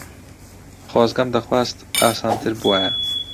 خۆزگەم دەخواست ئاسانتر بووایە.